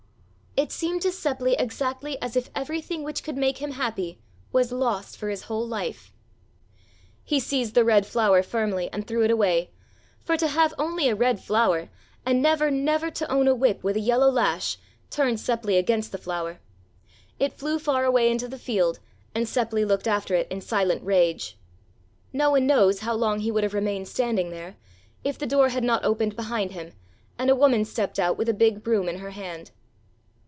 It seemed to Seppli exactly as if everything which could make him happy was lost for his whole life. He seized the red flower firmly and threw it away, for to have only a red flower and never, never to own a whip with a yellow lash turned Seppli against the flower; it flew far away into the field and Seppli looked after it in silent rage. No one knows how long he would have remained standing there if the door had not opened behind him and a woman stepped out with a big broom in her hand.